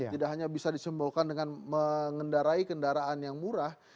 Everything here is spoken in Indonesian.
tidak hanya bisa disimbolkan dengan mengendarai kendaraan yang murah